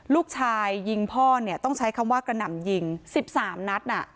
ลูกชายยิงพ่อเนี่ยต้องใช้คำว่ากระหน่ำยิง๑๓นัด